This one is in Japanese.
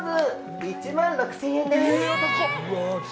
１万６０００円です。